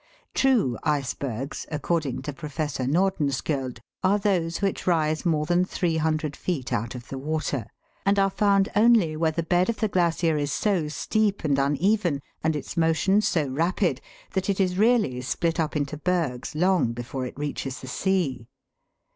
True icebergs, according to Professor Nordenskjold, are those which rise more than 300 feet out of the water, and are found only where the bed of the glacier is so steep and uneven, and its motion so rapid, that it is really split up into bergs long before it reaches the sea (Fig.